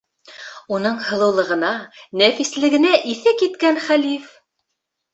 Уның һылыулығына, нәфислегенә иҫе киткән хәлиф: